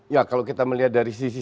ya kalau kita melihat dari sisi